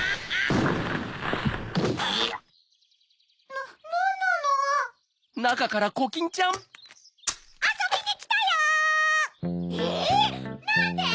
なんで？